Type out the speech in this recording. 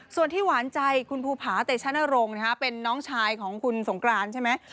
ส่วนที่หวานใจคุณภูผาเตชนรงค์เป็นน้องชายของคุณสงกรานใช่ไหม